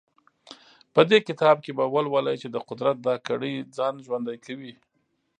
په دې کتاب کې به ولولئ چې د قدرت دا کړۍ ځان ژوندی کوي.